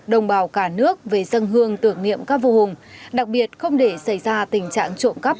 đồng bào cả nước về dân hương tưởng niệm các vô hùng đặc biệt không để xảy ra tình trạng trộm cắp